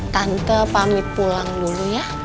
tante pamit pulang dulu ya